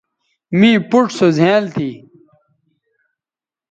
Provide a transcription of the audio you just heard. می پوڇ سو زھیائنل تھی